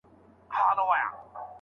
ایا زمونږ تجارت له اروپا سره بند دی؟